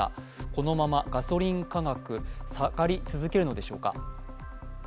このままガソリン価格、下がり続けるのでしょうか。